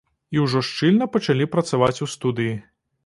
І ўжо шчыльна пачалі працаваць у студыі.